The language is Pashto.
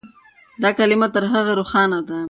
دا کلمه تر هغې روښانه ده.